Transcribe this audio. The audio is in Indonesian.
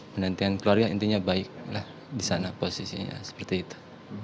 penantian keluarga intinya baiklah di sana posisinya seperti itu